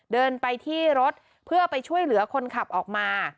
เดินไปที่รถเพื่อไปช่วยเหลือคนขับออกมา